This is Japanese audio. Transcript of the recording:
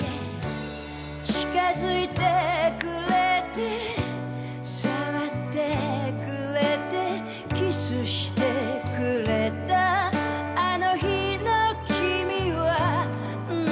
「近づいてくれて、さわってくれて、」「キスしてくれたあの日の君は」